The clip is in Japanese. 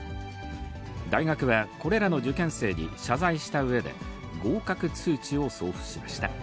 大学はこれらの受験生に謝罪したうえで、合格通知を送付しました。